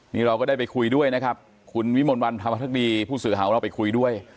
นี่เราก็ได้ไปคุยด้วยนะครับคุณวิมลวันธรรมภักดีผู้สื่อข่าวของเราไปคุยด้วย